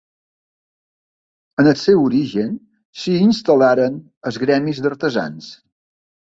En el seu origen s'hi instal·laren els gremis d'artesans.